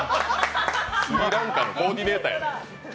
スリランカのコーディネーターや。